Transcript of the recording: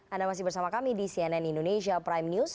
anda masih bersama kami di cnn indonesia prime news